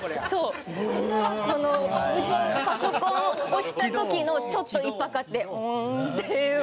このパソコンを押した時のちょっと１拍あってブーンっていう。